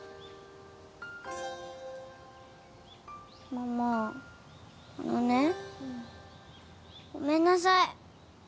ママあのねごめんなさい。